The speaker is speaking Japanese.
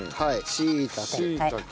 しいたけ。